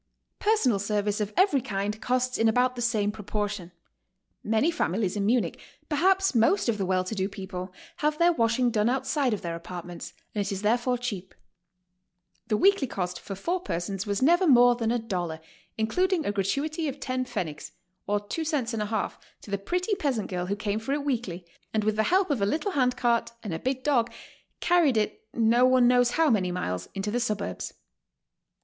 ^ Personal service of every kind costs in about the same proportion. Many families in Munich, perhaps most of the well to do people, have their washing done outside of their apartments, and it is therefore cheap. The weekly cost for four pers'ons was never more than a dollar, including a gratuity of lo pfennigs, or two cents and a half, to the pretty peasant girl who came for it weekly, and with the help of a little hand cart and a big dog carried it no one knows how many miles into the suburbs.